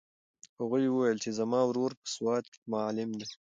هغې وویل چې زما ورور په سوات کې معلم دی.